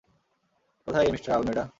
কোথায় এই mister Almeida?